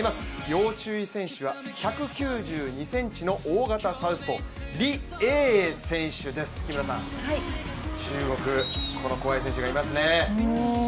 要注意選手は１９２ｃｍの大型サウスポー、リ・エイエイ選手です、木村さん、中国、この怖い選手がいますね。